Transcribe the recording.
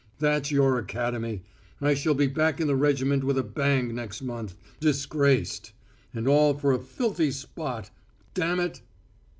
That's your academy. I shall be back in the regiment with a bang next month, disgraced. And all for a filthy spot ... damn it!"